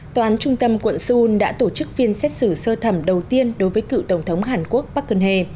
tòa án trung tâm quận seoul đã tổ chức phiên xét xử sơ thẩm đầu tiên đối với cựu tổng thống hàn quốc park geun hye